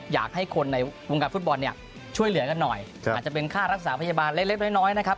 อยากให้คนในวงการฟุตบอลเนี่ยช่วยเหลือกันหน่อยอาจจะเป็นค่ารักษาพยาบาลเล็กน้อยนะครับ